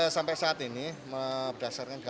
sampai saat ini